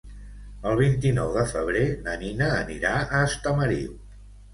El vint-i-nou de febrer na Nina anirà a Estamariu.